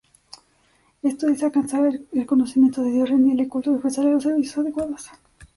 Esto es: alcanzar el conocimiento de Dios, rendirle culto y ofrecerle los servicios adecuados.